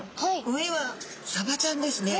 上はサバちゃんですね。